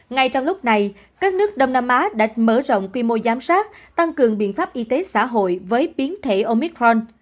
ngay trong lúc này các nước đông nam á đã mở rộng quy mô giám sát tăng cường biện pháp y tế xã hội với biến thể omicron